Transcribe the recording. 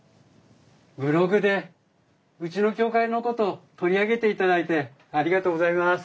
ブログでうちの協会のこと取り上げていただいてありがとうございます。